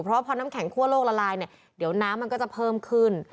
เพราะพอน้ำแข็งคั่วโลกละลายเนี่ยเดี๋ยวน้ำมันก็จะเพิ่มขึ้น